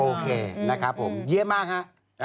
โอเคนะครับผมเยี่ยมมากฮะ